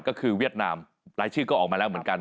ก็คือเวียดนามรายชื่อก็ออกมาแล้วเหมือนกัน